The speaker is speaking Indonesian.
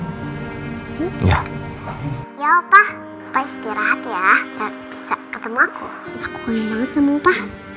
ya opa istirahat ya bisa ketemu aku aku kaget banget sama opa